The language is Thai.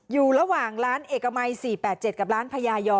อยู่ระหว่างร้านเอกมัย๔๘๗กับร้านพญายอ